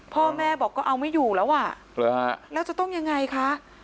พ่อแม่บอกก็เอาไม่อยู่แล้วอ่ะแล้วจะต้องยังไงคะ